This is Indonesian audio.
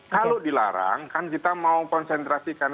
kalau dilarang kan kita mau konsentrasikan